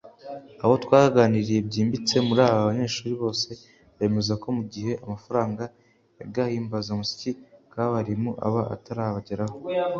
Abo twaganiriye byimbitse muri aba banyeshuri bose bemeza ko mu gihe amafaranga y’agahimbazamusyi k’abarimu aba atarabageraho